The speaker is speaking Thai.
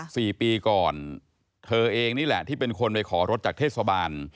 สี่ปีก่อนเธอเองนี่แหละที่เป็นคนไปขอรถจากเทศบาล